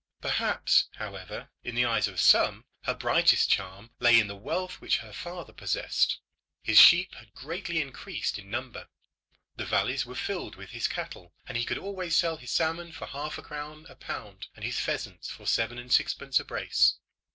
Perhaps, however, in the eyes of some her brightest charm lay in the wealth which her father possessed. His sheep had greatly increased in number; the valleys were filled with his cattle; and he could always sell his salmon for half a crown a pound and his pheasants for seven and sixpence a brace.